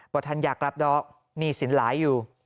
ท่านอยากกลับดอกหนี้สินหลายอยู่